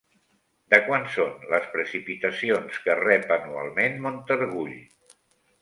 De quant són les precipitacions que rep anualment Montargull?